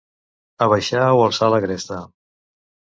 Abaixar o alçar la cresta.